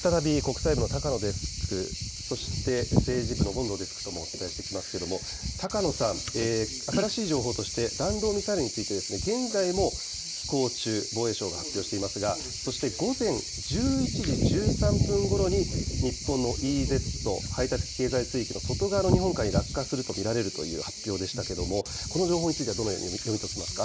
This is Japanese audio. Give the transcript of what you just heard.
再び国際部の高野デスク、そして政治部の権藤デスクともお伝えしていきますが高野さん、新しい情報として弾道ミサイルについて現在も飛行中、防衛省が発表していますが午前１１時１３分ごろに日本のＥＥＺ・排他的経済水域の外側の日本海に落下すると見られるという発表でしたがこの情報についてどのように読み解きますか。